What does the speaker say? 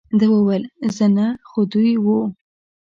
ده وویل، زه نه، خو دی وو.